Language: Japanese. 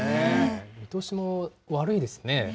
見通しも悪いですね。